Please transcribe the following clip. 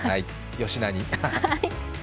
よしなに。